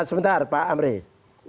sebentar pak hambrit